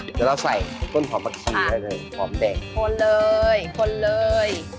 เดี๋ยวเราใส่ต้นหอมมักขี้ได้เลยหอมเด็กควนเลยควนเลย